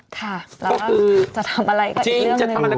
ค่ะแล้วจะทำอะไรก็อีกเรื่องหนึ่ง